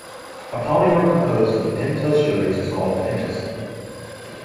A polymer composed of pentose sugars is called a pentosan.